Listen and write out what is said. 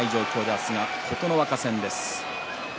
明日は琴ノ若戦です。